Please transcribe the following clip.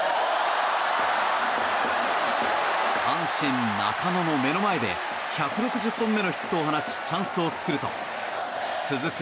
阪神、中野の目の前で１６０本目のヒットを放ちチャンスを作ると続く